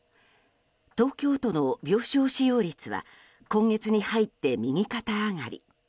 東京都の病床使用率は今月に入って右肩上がり。